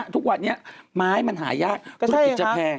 ทุกวันนี้ไม้มันหายากธุรกิจจะแพง